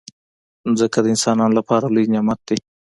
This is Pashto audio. مځکه د انسانانو لپاره لوی نعمت دی.